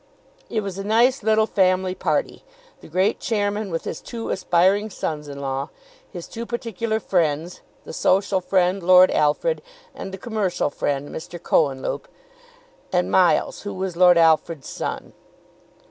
It was a nice little family party, the great chairman with his two aspiring sons in law, his two particular friends, the social friend, Lord Alfred, and the commercial friend Mr. Cohenlupe, and Miles, who was Lord Alfred's son.